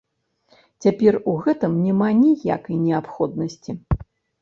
Цяпер у гэтым няма ніякай неабходнасці.